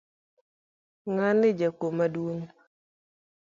Ngani jakuo maduong.